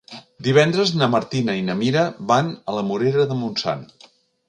Divendres na Martina i na Mira van a la Morera de Montsant.